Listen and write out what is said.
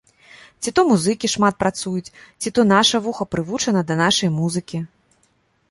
Ці то музыкі шмат працуюць, ці то наша вуха прывучана да нашай музыкі.